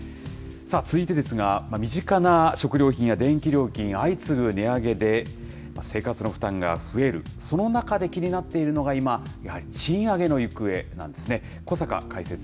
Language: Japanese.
さあ、続いてですが、身近な食料品や電気料金、相次ぐ値上げで生活の負担が増える、その中で気になっているのが今、賃上げの行方なんですね。